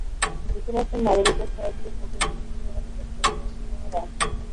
যুক্তরাষ্ট্রের নাগরিকদের সরাসরি ভোটে নির্বাচিত হোন ইলেকটোররা।